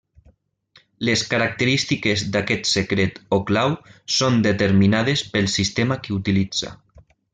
Les característiques d'aquest secret o clau són determinades pel sistema que utilitza.